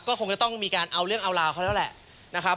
ก็คงจะต้องมีการเอาเรื่องเอาราวเขาแล้วแหละนะครับ